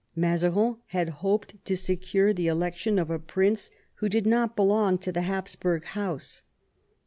Mazarin had hoped to secure the election of a prince who did not belong to the Hapsburg house.